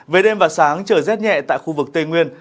về đêm và sáng trời rét nhẹ tại khu vực tây nguyên